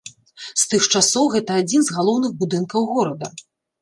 З тых часоў гэта адзін з галоўных будынкаў горада.